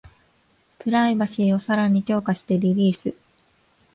プライバシーをさらに強化してリリース